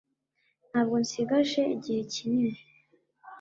Ntabwo nsigaje igihe kinini